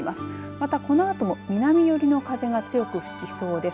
また、このあと南寄りの風が強く吹きそうです。